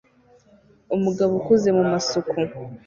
Umugabo ukuze mumasuku